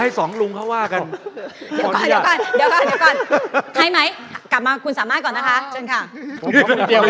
เดี๋ยวก่อนหลับใหม่คุณสามมาก่อนนะคะ